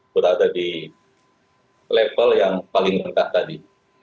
berada di level yang paling rendah tadi